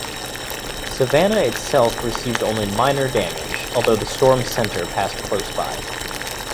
Savannah itself received only minor damage, although the storm's center passed close by.